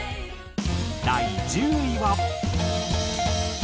第１０位は。